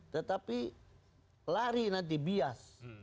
tetapi lari nanti bias